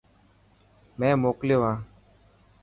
مين موڪليو هان.